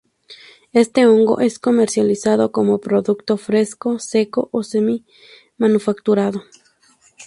Este hongo es comercializado como producto fresco, seco o semi manufacturado.